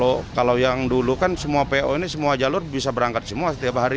kalau yang dulu kan semua po ini semua jalur bisa berangkat semua setiap hari